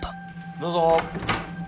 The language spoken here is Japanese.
どうぞ。